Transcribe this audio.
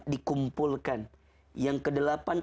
dikumpulkan yang kedelapan